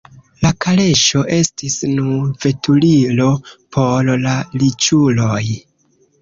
La kaleŝo estis nur veturilo por la riĉuloj.